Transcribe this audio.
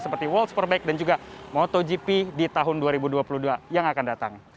seperti world superbike dan juga motogp di tahun dua ribu dua puluh dua yang akan datang